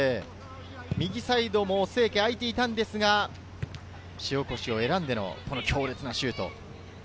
右サイドも清家のところが空いていたんですが、塩越を選んでの強烈なシュート。